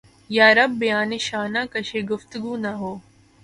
یارب! بیانِ شانہ کشِ گفتگو نہ ہو!